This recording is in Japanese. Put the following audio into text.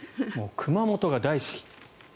熊本が大好き。